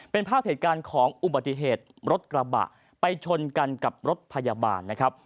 เป็นภาพเหตุการณ์ของอุบัติเหตุรถกระบะไปชนกันกับรถพยาบาลนะครับ